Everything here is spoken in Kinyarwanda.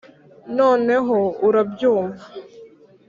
noneho urabyumva